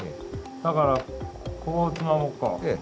だからこうつまもうか。